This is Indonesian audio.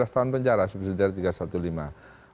dua belas tahun penjara seperti itu dari tiga ratus lima belas